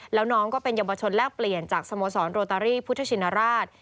แล้วน้องก็เป็นเยาวชนแลกเปลี่ยนจากสโมสรโรตารี่พุทธชินราช